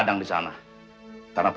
sangat selalu bergexistar